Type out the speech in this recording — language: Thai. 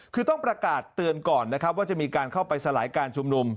คือต้องประกาศเตือนก่อนนะครับว่าจะมีการเข้าไปสลายการชุมนุม